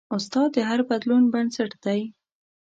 استاد د هر بدلون بنسټ دی.